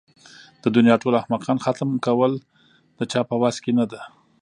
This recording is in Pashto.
د دنيا ټول احمقان ختم کول د چا په وس کې نه ده.